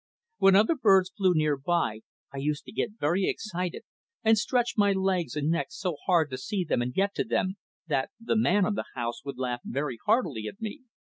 When other birds flew near by I used to get very excited, and stretch my legs and neck so hard to see them and get to them, that the "man of the house" would laugh very heartily at me.